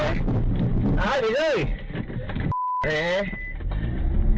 ลูกแอวลูกแอว